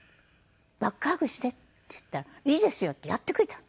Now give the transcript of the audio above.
「バックハグして」って言ったら「いいですよ」ってやってくれたの。